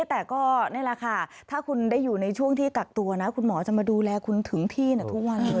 แต่ก็นี่แหละค่ะถ้าคุณได้อยู่ในช่วงที่กักตัวนะคุณหมอจะมาดูแลคุณถึงที่ทุกวันเลย